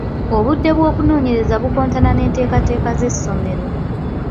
Obudde bw’okunoonyereza bukontana n’enteekateeka z’essomero.